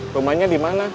rumahnya di mana